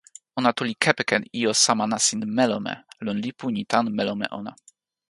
ona tu li kepeken ijo sama nasin melome lon lipu ni tan melome ona.